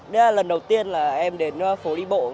đây là lần đầu tiên là em đến phố đi bộ